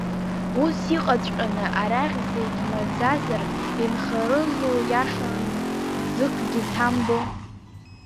Ус иҟаҵәҟьаны, арахь зегь маӡазар, инхарызу, иашан, ӡыкгьы ҭамбо?